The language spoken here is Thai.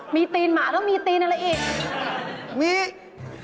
มีตีนหมาแล้วมีตีนอะไรอีก